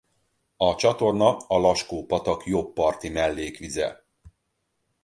A csatorna a Laskó-patak jobb parti mellékvize.